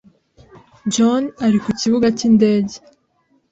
John ari ku kibuga cy'indege.